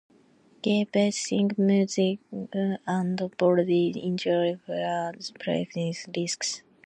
Gay bashing, mugging, and bodily injury are further potential risks.